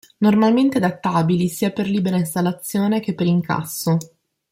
Normalmente adattabili sia per libera installazione che per incasso.